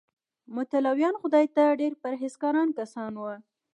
متولیان خدای ته ډېر پرهیزګاره کسان وو.